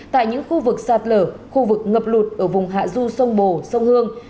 tại những khu vực sạt lở khu vực ngập lụt ở vùng hạ du sông bồ sông hương